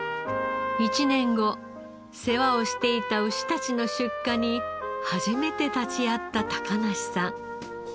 １年後世話をしていた牛たちの出荷に初めて立ち会った梨さん。